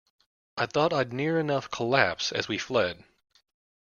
I thought I'd near enough collapse as we fled.